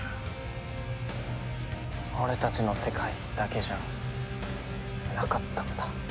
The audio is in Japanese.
俺たちの世界だけじゃなかったんだ。